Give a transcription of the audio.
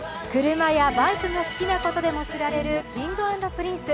車やバイクが好きなことでも知られるＫｉｎｇ＆Ｐｒｉｎｃｅ。